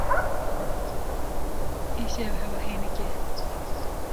Îşev hewa hênik e.